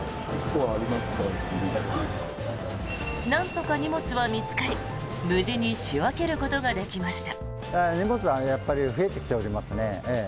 なんとか荷物は見つかり無事に仕分けることができました。